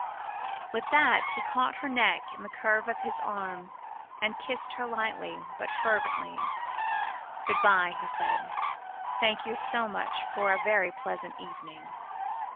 With that he caught her neck in the curve of his arm, and kissed her lightly but fervently. "Good bye!" he said; "thank you so much for a very pleasant evening!"